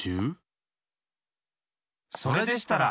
それでしたら！